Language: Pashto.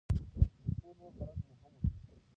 ترڅو نور خلک مو هم وپیژني.